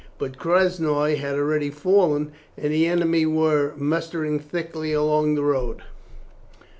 But Krasnoi had already fallen, and the enemy were mustering thickly along the road.